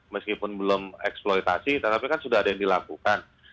meskipun belum eksploitasi tetapi kan sudah ada yang dilakukan